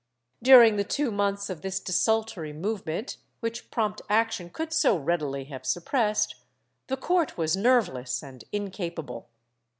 ^ During the two months of this desultory movement, which prompt action could so readily have suppressed, the court was nerveless and incapable.